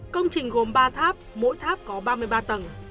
công trình gồm ba tháp mỗi tháp có ba mươi ba tầng